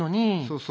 そう。